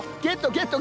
ゲット